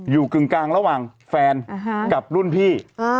กึ่งกลางระหว่างแฟนกับรุ่นพี่